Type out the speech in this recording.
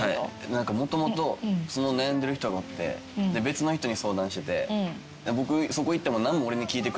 もともとその悩んでる人がおって別の人に相談してて僕そこ行っても。